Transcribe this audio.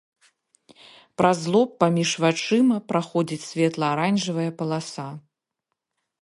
Праз лоб паміж вачыма праходзіць светла-аранжавая паласа.